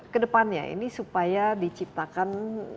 kedepannya ini supaya diciptakan